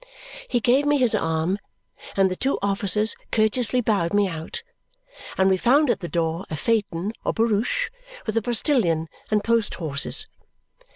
He gave me his arm, and the two officers courteously bowed me out, and we found at the door a phaeton or barouche with a postilion and post horses.